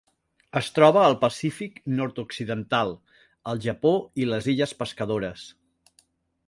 Es troba al Pacífic nord-occidental: el Japó i les illes Pescadores.